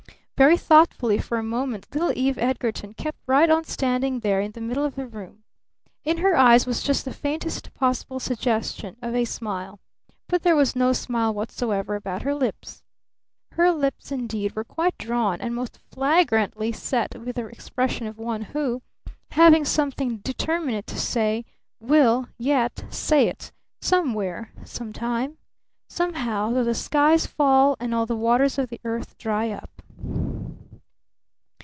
Very thoughtfully for a moment little Eve Edgarton kept right on standing there in the middle of the room. In her eyes was just the faintest possible suggestion of a smile. But there was no smile whatsoever about her lips. Her lips indeed were quite drawn and most flagrantly set with the expression of one who, having something determinate to say, will yet say it, somewhere, sometime, somehow, though the skies fall and all the waters of the earth dry up.